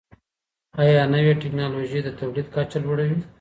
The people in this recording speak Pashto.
ايا نوې ټکنالوژي د تولید کچه لوړوي؟